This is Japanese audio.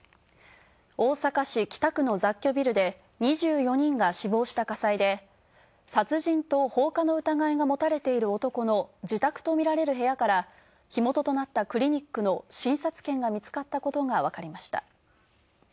大阪市北区の雑居ビルで２４人が死亡した火災で、殺人と放火の疑いが持たれている男の自宅とみられる部屋から火元となったクリニックの診察券が見つかったことがわかりました。